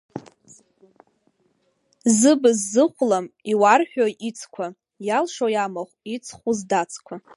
Зыбз зыхәлам иуарҳәои ицқәа, иалшои амахә, иҵху здацқәа?